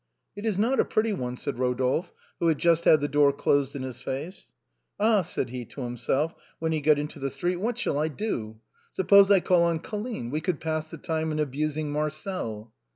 " It is not a pretty one," said Eodolphe, who had Just had the door closed in his face. "Ah !" said he to himself when he got into the street, " what shall I do ? Suppose I call on Colline, we could pass the time in abusing Marcel."